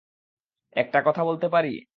একটা কথা বলতে পারি?